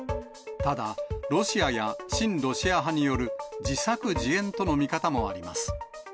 ただ、ロシアや親ロシア派による自作自演との見方もあります。